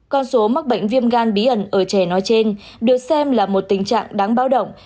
con số mắc bệnh viêm gan bí ẩn ở trẻ nói trên được xem là một tình trạng đáng báo động